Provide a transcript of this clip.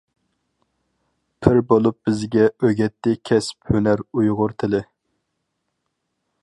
پىر بولۇپ بىزگە ئۆگەتتى كەسىپ-ھۈنەر ئۇيغۇر تىلى.